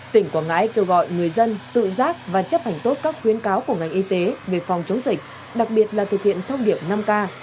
tỉnh quảng ngãi kêu gọi người dân tự giác và chấp hành tốt các khuyến cáo của ngành y tế về phòng chống dịch đặc biệt là thực hiện thông điệp năm k